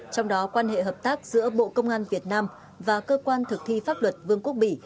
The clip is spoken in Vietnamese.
trong đó quan hệ hợp tác giữa bộ công an việt nam và cơ quan thực thi pháp luật vương quốc bỉ